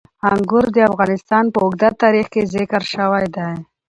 انګور د افغانستان په اوږده تاریخ کې ذکر شوی دی.